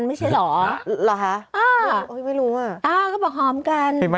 ไม่ใช่แจงหัวหอม